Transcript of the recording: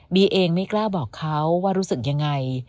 เองไม่กล้าบอกเขาว่ารู้สึกยังไง